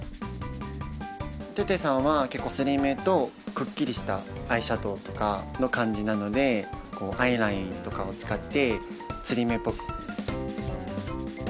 テテさんは結構つり目とくっきりしたアイシャドーとかの感じなのでアイラインとかを使ってつり目っぽく。